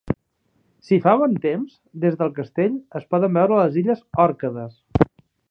Si fa bon temps, des del castell es poden veure les Illes Òrcades.